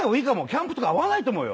キャンプとか合わないと思うよ。